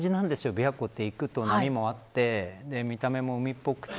琵琶湖って行くと、波もあって見た目も海っぽくて。